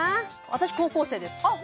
私高校生ですあっ